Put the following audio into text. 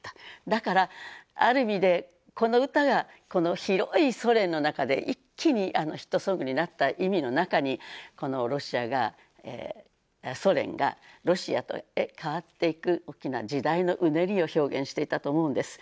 だからある意味でこの歌がこの広いソ連の中で一気にヒットソングになった意味の中にこのソ連がロシアへ変わっていく大きな時代のうねりを表現していたと思うんです。